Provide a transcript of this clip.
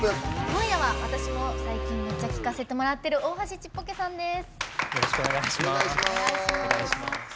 今夜は私もめっちゃ聴かせてもらってる大橋ちっぽけさんです。